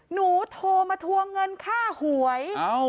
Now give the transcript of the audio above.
โทรมาทวงเงินค่าหวย